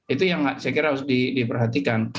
itu yang saya kira harus diperhatikan